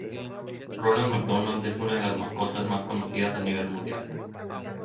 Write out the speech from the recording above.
Ronald McDonald es una de las mascotas más conocidas a nivel mundial.